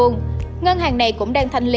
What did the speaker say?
ngân hàng này cũng đang thay đổi